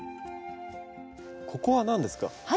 ここは何ですか？